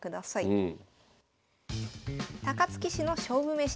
うん。